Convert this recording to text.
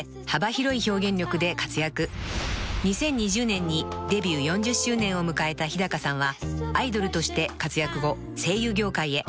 ［２０２０年にデビュー４０周年を迎えた日さんはアイドルとして活躍後声優業界へ］